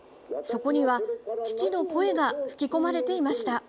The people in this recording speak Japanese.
そこには、父の声が吹き込まれていました。